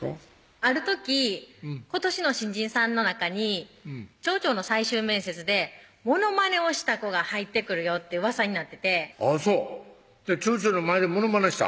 ある時「今年の新人さんの中に町長の最終面接でモノマネをした子が入ってくるよ」ってうわさになっててあぁそう町長の前でモノマネした？